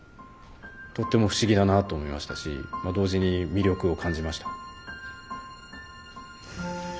とっても不思議だなと思いましたしまあ同時に魅力を感じました。